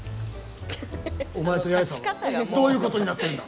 お前と八重さんはどういうことになってるんだ。